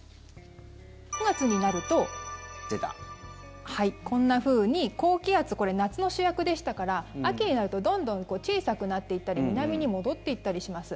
９月になるとこんなふうに高気圧これ、夏の主役でしたから秋になるとどんどん小さくなっていったり南に戻っていったりします。